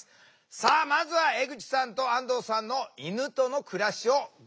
さあまずは江口さんと安藤さんの犬との暮らしをご覧下さい。